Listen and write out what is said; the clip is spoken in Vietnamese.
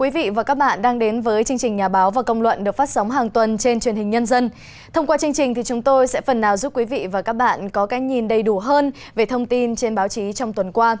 vâng xin chào chị và cảm ơn chị đã dành thời gian cho truyền hình nhân dân